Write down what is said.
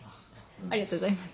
ありがとうございます。